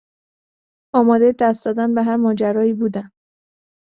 آمادهی دست زدن به هر ماجرایی بودم.